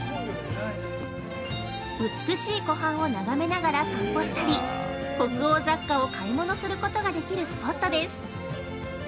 美しい湖畔を眺めながら散歩したり北欧雑貨を買い物することできるスポット！